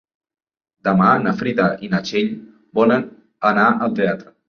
Demà na Frida i na Txell volen anar al teatre.